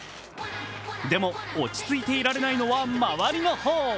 でも、落ち着いていられないのは周りの方。